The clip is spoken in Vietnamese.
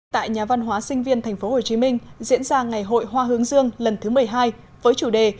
tại nhà văn hóa sinh viên tp hcm diễn ra ngày hội hoa hướng dương lần thứ một mươi hai với chủ đề